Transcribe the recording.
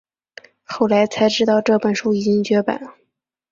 后来才知道这本书已经绝版